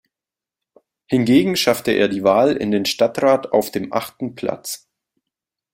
Hingegen schaffte er die Wahl in den Stadtrat auf dem achten Platz.